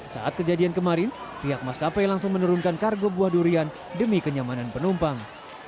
saat kejadian kemarin pihak maskapai langsung menurunkan kargo buah durian demi kenyamanan penumpang